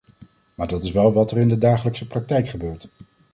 Maar dat is wel wat er in de dagelijkse praktijk gebeurt.